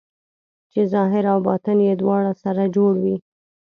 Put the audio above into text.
چې ظاهر او باطن یې دواړه سره جوړ وي.